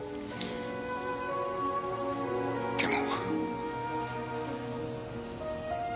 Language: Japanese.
でも。